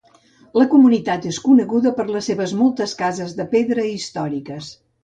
La comunitat és coneguda per les seves moltes cases de pedra històriques.